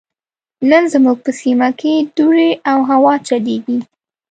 نن زموږ په سيمه کې دوړې او هوا چليږي.